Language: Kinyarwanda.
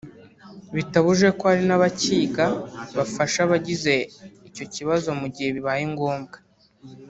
bitabujije ko hari n'abakiga bafasha abagize icyo kibazo mu gihe bibaye ngombwa